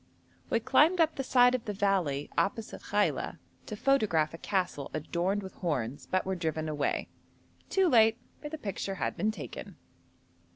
We climbed up the side of the valley opposite Khaila to photograph a castle adorned with horns, but were driven away; too late, for the picture had been taken.